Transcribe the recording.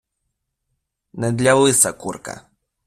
Не для лиса курка.